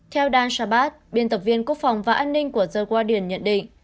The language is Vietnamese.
theo dan shabat biên tập viên quốc phòng và an ninh của the guardian nhận định